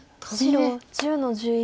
白１０の十一。